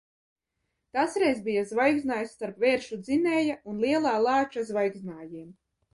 Tas reiz bija zvaigznājs starp Vēršu Dzinēja un Lielā Lāča zvaigznājiem.